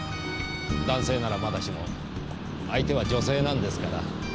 男性ならまだしも相手は女性なんですから。